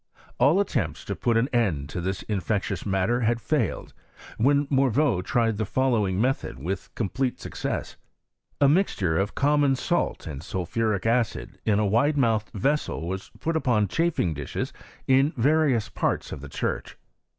All attempts to put ^^ an end to this infectious matter had failed, when Morveau tried the following method with complete success ; A mixture of common salt and sulphuric acid in a wide mouthed vessel was put upon chaf ing dishes in various parts of the church.